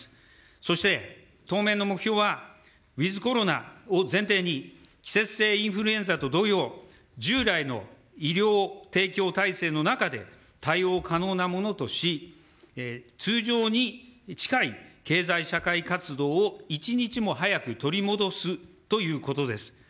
そして当面の目標は、ウィズコロナを前提に季節性インフルエンザと同様、従来の医療提供体制の中で、対応可能なものとし、通常に近い経済社会活動を一日も早く取り戻すということです。